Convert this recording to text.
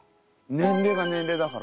年齢が年齢だから。